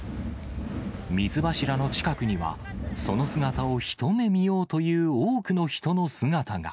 水柱の近くには、その姿を一目見ようという多くの人の姿が。